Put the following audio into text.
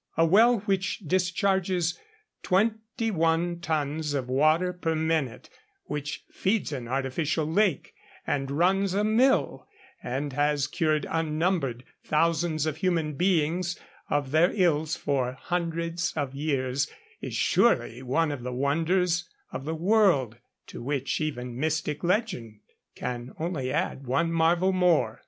A well which discharges twenty one tons of water per minute, which feeds an artificial lake and runs a mill, and has cured unnumbered thousands of human beings of their ills for hundreds of years, is surely one of the wonders of the world, to which even mystic legend can only add one marvel more.